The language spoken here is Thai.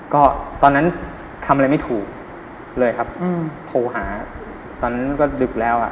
ก็ตอนนั้นทำอะไรไม่ถูกเลยครับโทรหาตอนนั้นก็ดึกแล้วอ่ะ